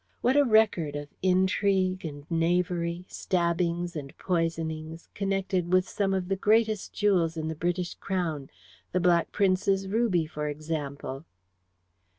What a record of intrigue and knavery, stabbings and poisonings, connected with some of the greatest jewels in the British Crown the Black Prince's ruby, for example!"